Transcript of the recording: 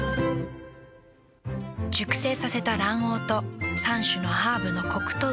熟成させた卵黄と３種のハーブのコクとうま味。